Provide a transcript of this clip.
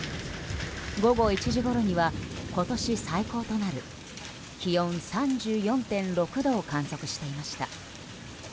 午後１時ごろには今年最高となる気温３４．６度を観測していました。